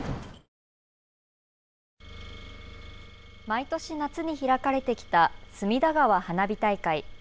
毎年、夏に開かれてきた隅田川花火大会。